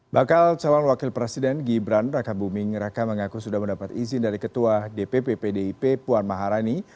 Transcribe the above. bakal calon wakil presiden gibran raka buming raka mengaku sudah mendapat izin dari ketua dpp pdip puan maharani